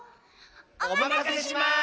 おまかせします！